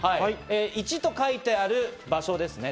１と書いてある場所ですね。